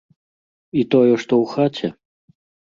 І тое, што ў хаце?